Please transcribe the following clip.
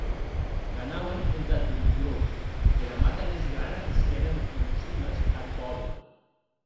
Qu’anauen entath Bolondró, era mata mès grana des qu’èren proximes ath pòble.